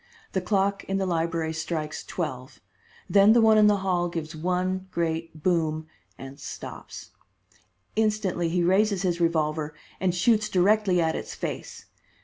The clock in the library strikes twelve, then the one in the hall gives one great boom, and stops. Instantly he raises his revolver and shoots directly at its face.